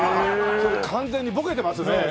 それ完全にボケてますね。